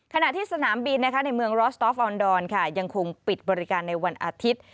ขณะที่สนามบินในเมืองรอสตอฟฟออนดอนยังคงปิดบริการในวันอาทิตย์